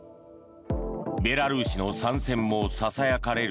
ベラルーシの参戦もささやかれる